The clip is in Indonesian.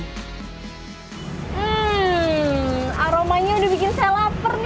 hmm aromanya udah bikin saya lapar nih